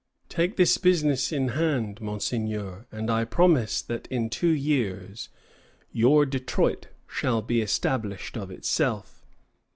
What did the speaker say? Take this business in hand, Monseigneur, and I promise that in two years your Detroit shall be established of itself."